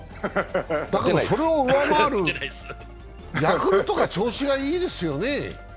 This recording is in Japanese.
それを上回るヤクルトが調子がいいですよね？